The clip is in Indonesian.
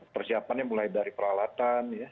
persiapannya mulai dari peralatan